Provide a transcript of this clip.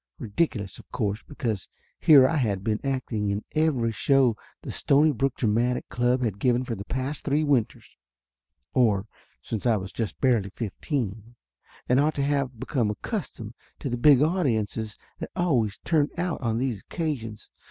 Ridiculous, of course, because here I had been acting in every show the Stonybrook Dramatic Club had given for the past three winters, or since I was just barely fifteen, and ought to have become accustomed to the big audiences that always turned out on these occasions.